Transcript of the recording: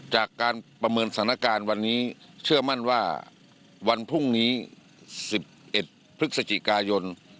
จากการประเมินสถานการณ์วันนี้เชื่อมั่นว่าวันพรุ่งนี้๑๑พฤศจิกายน